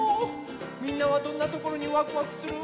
みんなはどんなところにワクワクする？